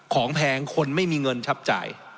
แพงคนไม่มีเงินชับจ่าย